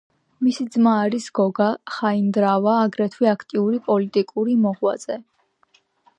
მისი ძმა არის გოგა ხაინდრავა, აგრეთვე აქტიური პოლიტიკური მოღვაწე.